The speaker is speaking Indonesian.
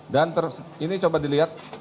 dan ini coba dilihat